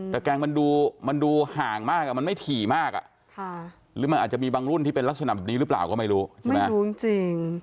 แต่แกงมันดูห่างมากมันไม่ถี่มากหรือมันอาจจะมีบางรุ่นที่เป็นลักษณะแบบนี้หรือเปล่าก็ไม่รู้ใช่ไหมรู้จริง